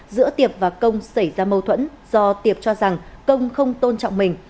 giữa tiệp và công xảy ra mâu thuẫn do tiệp cho rằng công không tôn trọng mình